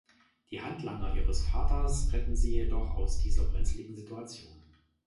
Die Handlanger ihres Vaters retten sie jedoch aus dieser brenzligen Situation.